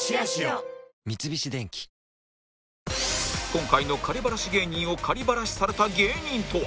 今回のバラシ芸人をバラシされた芸人とは？